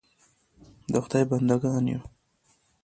د خدای بنده ګان یو .